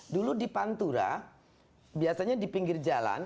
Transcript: dulu di pantura biasanya di pinggir jalan